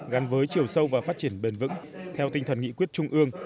gắn với chiều sâu và phát triển bền vững theo tinh thần nghị quyết trung ương